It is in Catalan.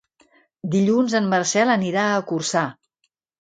Dilluns en Marcel anirà a Corçà.